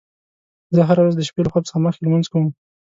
زه هره ورځ د شپې له خوب څخه مخکې لمونځ کوم